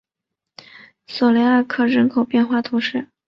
索雷阿克人口变化图示